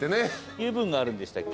油分があるんでしたっけ。